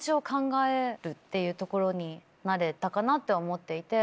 っていうところになれたかなとは思っていて。